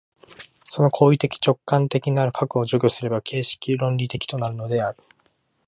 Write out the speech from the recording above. その行為的直観的なる核を除去すれば形式論理的となるのである。